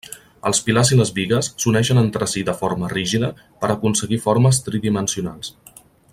Els pilars i les bigues s'uneixen entre si de forma rígida per aconseguir formes tridimensionals.